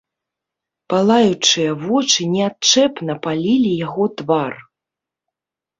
Палаючыя вочы неадчэпна палілі яго твар.